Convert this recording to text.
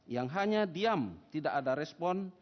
yang hanya diam tidak ada respon